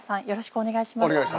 お願いします。